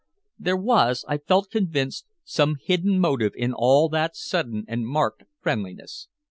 There was, I felt convinced, some hidden motive in all that sudden and marked friendliness.